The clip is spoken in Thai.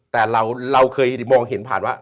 แต่เราเคยมองเห็นผ่านว่า